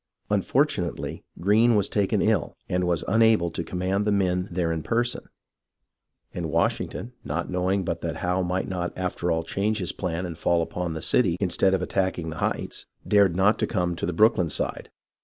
Unfortunately, Greene was taken ill, and was unable to command the men there in person, and Wash ington, not knowing but that Howe might not after all change his plan and fall upon the city instead of attacking the Heights, dared not come to the Brooklyn side.